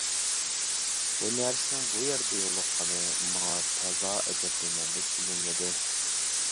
بۇ نەرسىنىڭ بۇ يەردە يولۇققىنى ماڭا تازا ئەجەبلىنەرلىك بىلىنمىدى.